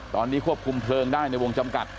ตอนนี้ควบคุมเพลิงได้ในวงจำกัด